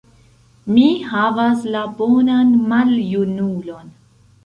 Mi havas la «bonan maljunulon».